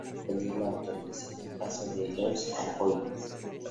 Pakistán había suspendido la autorización al paso de esos convoyes.